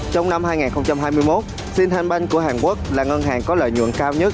trong năm hai nghìn hai mươi một sintan banh của hàn quốc là ngân hàng có lợi nhuận cao nhất